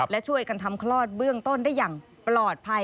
และช่วยกันทำคลอดเบื้องต้นได้อย่างปลอดภัย